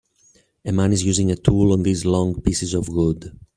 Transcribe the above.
A man is using a tool on these long pieces of wood.